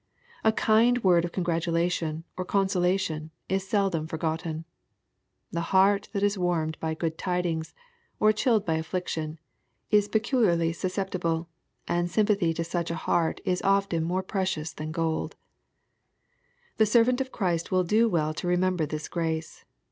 A kind word of congratulation or consolation is seldom forgot ten. The heart that is warmed by good tidings, oi chilled by affliction, is peculiarly susceptible, and sym pathy to such a heart is often more precious than gold The servant of Christ will do well to remember this grace.